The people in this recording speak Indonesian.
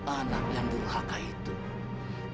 anak yang berhak kaitan